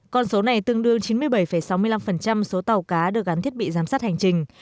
con số này tương đương chín mươi bảy sáu mươi năm số tàu cá được gắn thiết bị giám sát hành trình